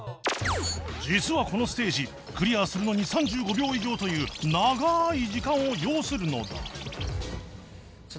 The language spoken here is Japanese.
実はこのステージクリアするのに３５秒以上という長い時間を要するのだ